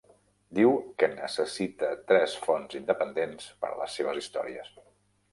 Diu que necessita tres fonts independents per a les seves històries.